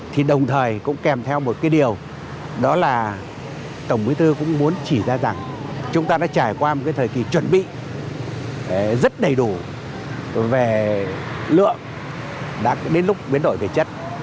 thì đồng thời cũng kèm theo một cái điều đó là tổng bí thư cũng muốn chỉ ra rằng chúng ta đã trải qua một cái thời kỳ chuẩn bị rất đầy đủ về lượng đã đến lúc biến đổi về chất